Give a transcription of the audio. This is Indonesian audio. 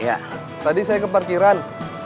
ya tadi saya ke parkiran